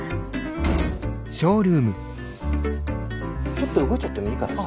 ちょっと動いちゃってもいいからさ。